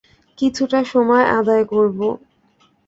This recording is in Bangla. কিছুটা সময় আদায় করবো।